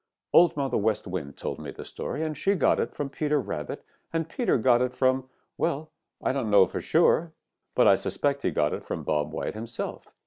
Old Mother West Wind told me the story, and she got it from Peter Rabbit, and Peter got it from well, I don't know for sure, but I suspect he got it from Bob White himself.